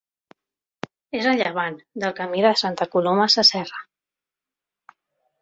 És a llevant del Camí de Santa Coloma Sasserra.